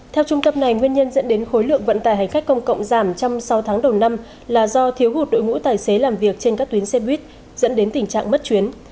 theo trung tâm này nguyên nhân dẫn đến khối lượng vận tải hành khách công cộng giảm trong sáu tháng đầu năm là do thiếu hụt đội ngũ tài xế làm việc trên các tuyến xe buýt dẫn đến tình trạng mất chuyến